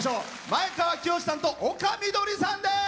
前川清さんと丘みどりさんです。